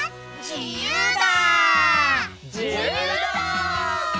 じゆうだ！